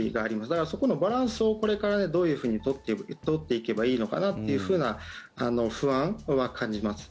だから、そこのバランスをこれからどう取っていけばいいのかなという不安は感じます。